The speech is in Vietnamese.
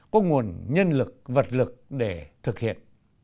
có nguồn nhân lực vật lực để thực hiện